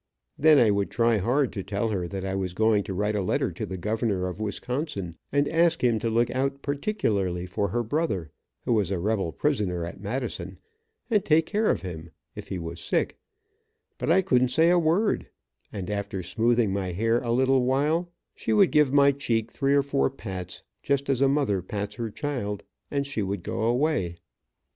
Then I would try hard to tell her that I was going to write a letter to the governor of Wisconsin, and ask him to look out particularly for her brother, who was a rebel prisoner at Madison, and take care of him if he was sick, but I couldn't say a word, and after smoothing my hair a little while, she would give my cheek three or four pats, just as a mother pats her child, and she would go away.